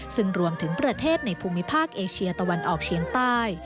ซึ่งรวมถึงประเทศในภูมิภาคเอเชียตะวันออกเชียงใต้